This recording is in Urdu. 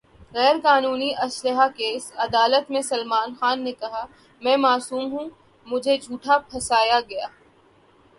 غیر قانونی اسلحہ کیس : عدالت میں سلمان خان نے کہا : میں معصوم ہوں ، مجھے جھوٹا پھنسایا گیا